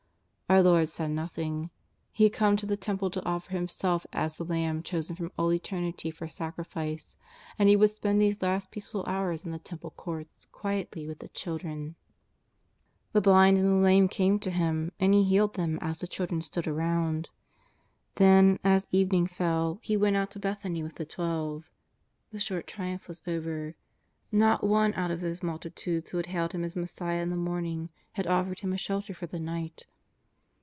Our Lord said nothing. He had come to the Temple to offer Himself as the Lamb chosen from all eternity for sacrifice, and He would spend these last peaceful hours in the Temple Courts quietly with the children. JESUS OF NAZARETH. 313 The blind and the lame came to Him and He healed them as the children stood aroimd. Then, as evening fell, He went out to Bethany with the Twelve. The short triumph was over. Kot one out of those multi tudes who had hailed Him as Messiah in the morning had offered Him a shelter for the night.